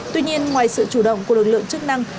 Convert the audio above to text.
tuy nhiên ngoài sự chủ động của lực lượng chức năng